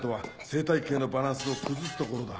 生態系のバランスを崩すところだ。